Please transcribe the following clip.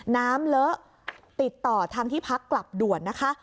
เลอะติดต่อทางที่พักกลับด่วนนะคะ